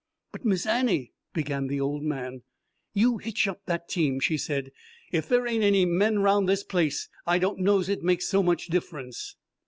"But, Miss Annie " began the old man. "You hitch up that team," she said. "If there ain't any men round this place, I don't know's it makes so much difference."